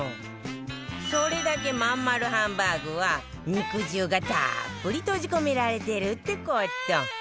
それだけまん丸ハンバーグは肉汁がたっぷり閉じ込められてるって事